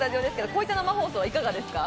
こういった生放送いかがですか？